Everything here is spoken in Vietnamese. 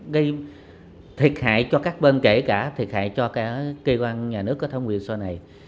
gây thiệt hại cho các bên kể cả thiệt hại cho cả cơ quan nhà nước có thông quyền sau này